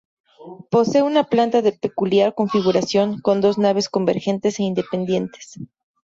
Posee una planta de peculiar configuración, con dos naves convergentes e independientes.